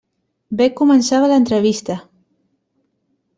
Bé començava l'entrevista.